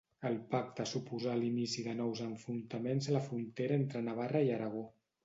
El pacte suposà l'inici de nous enfrontaments a la frontera entre Navarra i Aragó.